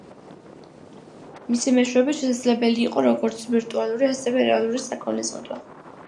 მისი მეშვეობით შესაძლებელი იყო როგორც ვირტუალური, ასევე რეალური საქონლის ყიდვა.